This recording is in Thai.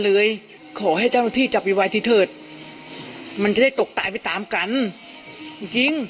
เลยขอให้ที่จะไปไว้ที่เถิดมันจะตกตายไปตามกันจริง